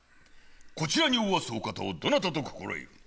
こちらにおわすお方をどなたと心得る。